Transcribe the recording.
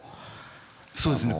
そうですね。